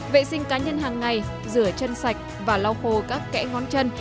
vệ sinh cá nhân hàng ngày rửa chân sạch và lau khô các kẽ ngón chân